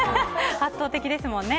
圧倒的ですもんね。